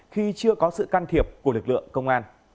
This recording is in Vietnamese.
khi chưa có sự can thiệp của lực lượng công an